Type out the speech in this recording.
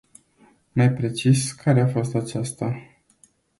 Mai precis, care a fost aceasta?